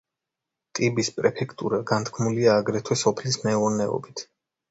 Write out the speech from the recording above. ტიბის პრეფექტურა განთქმულია აგრეთვე სოფლის მეურნეობით.